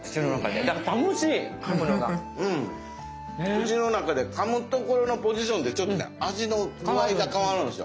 口の中でかむところのポジションでちょっとね味の具合が変わるんですよ。